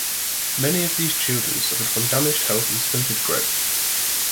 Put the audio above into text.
Many of these children suffered from damaged health and stunted growth.